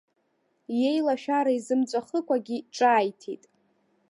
Иеилашәара изымҵәахыкәагьы ҿааиҭит.